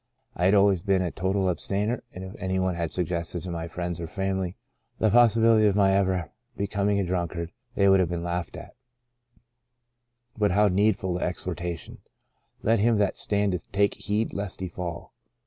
I had always been a total abstainer and if any one had suggested to my friends or family the pos sibility of my ever becoming a drunkard, they would have been laughed at. But how needful the exhortation, * Let him that standeth take heed lest he fall.'